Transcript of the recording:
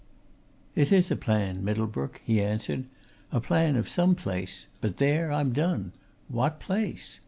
"It is a plan, Middlebrook," he answered. "A plan of some place. But there I'm done! What place?